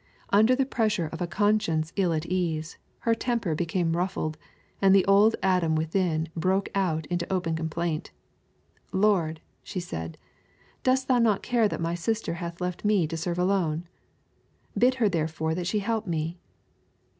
Under the pressure of a conscience ill at ease, her temper became ruffled, and the old Adam within broke out into open complaint. *^ Lord," she said, " dost not thou care that my sister hath left me to serve alone ? Bid her therefore that she help me.''